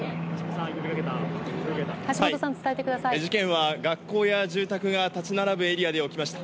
事件は学校や住宅が立ち並ぶエリアで起きました。